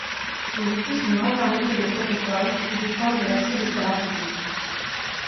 Il existe une grande variété de protocoles qui dépendent de la cible thérapeutique.